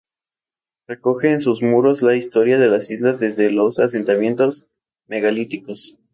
Recoge en sus muros la historia de las islas desde los asentamientos megalíticos.